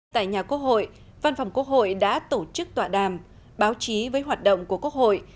tại nhà quốc hội văn phòng quốc hội đã tổ chức tọa đàm báo chí với hoạt động của quốc hội